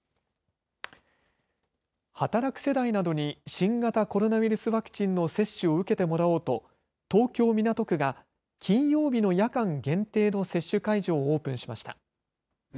働く世代などに新型コロナウイルスワクチンの接種を受けてもらおうと東京港区が金曜日の夜間限定の接種会場をオープンしました。